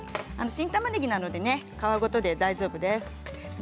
新たまねぎのように皮ごとで大丈夫です。